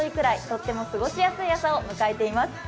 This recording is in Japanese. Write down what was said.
とっても過ごしやすい朝を迎えています。